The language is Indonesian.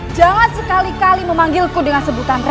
jangan sekali kali memanggilku dengan sebutan